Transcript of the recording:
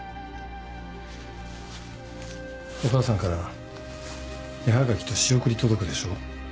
お母さんから絵はがきと仕送り届くでしょ？